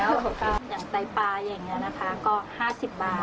อย่างไตล์ปลายอย่างนี้นะคะก็๕๐บาท